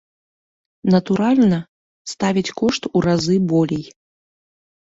Натуральна, ставяць кошт у разы болей.